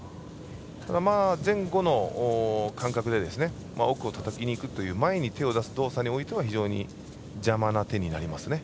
ただ、前後の感覚で奥をたたきにいく動作においては非常に邪魔な手になりますね。